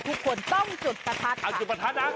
ทุกคนต้องจดประถัดค่ะ